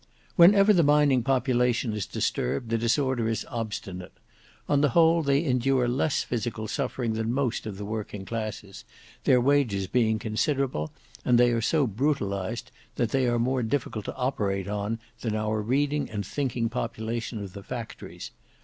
"Whenever the mining population is disturbed the disorder is obstinate. On the whole they endure less physical suffering than most of the working classes, their wages being considerable; and they are so brutalized that they are more difficult to operate on than our reading and thinking population of the factories.